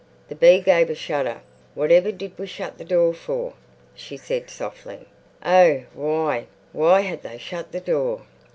The bee gave a shudder. "Whatever did we shut the door for?" she said softly. Oh, why, why had they shut the door?